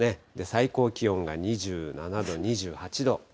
最高気温が２７度、２８度。